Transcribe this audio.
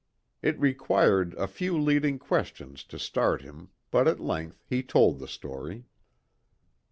It required a few leading questions to start him, but at length he told the story.